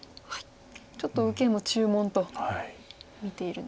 ちょっと受けも注文と見ているんですね。